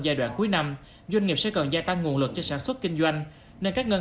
giai đoạn cuối năm doanh nghiệp sẽ cần gia tăng nguồn lực cho sản xuất kinh doanh nên các ngân